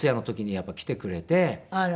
あら。